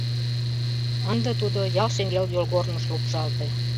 Ынде тудо ял шеҥгел йолгорныш лупшалте.